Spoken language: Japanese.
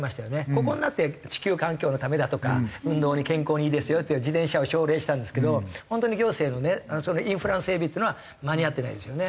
ここになって地球環境のためだとか運動に健康にいいですよって自転車を奨励したんですけど本当に行政のねインフラの整備っていうのは間に合ってないですよね。